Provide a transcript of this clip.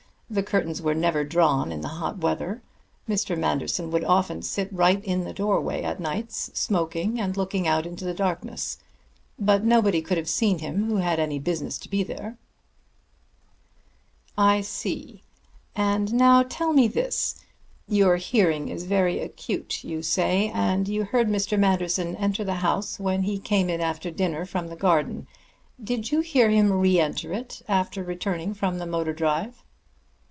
The curtains were never drawn in the hot weather. Mr. Manderson would often sit right in the doorway at nights, smoking and looking out into the darkness. But nobody could have seen him who had any business to be there." "I see. And now tell me this. Your hearing is very acute, you say, and you heard Mr. Manderson enter the house when he came in after dinner from the garden. Did you hear him re enter it after returning from the motor drive?"